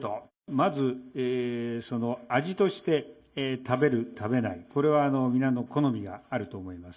まず、味として食べる、食べない、これは皆の好みがあると思います。